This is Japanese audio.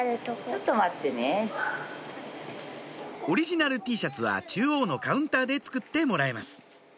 オリジナルＴシャツは中央のカウンターで作ってもらえます